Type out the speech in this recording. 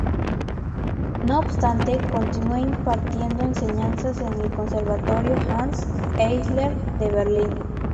No obstante, continúa impartiendo enseñanza en el Conservatorio Hanns Eisler de Berlín.